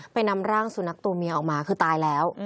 นำร่างสุนัขตัวเมียออกมาคือตายแล้ว